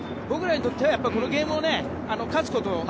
僕らにとってはこのゲームを勝つこと。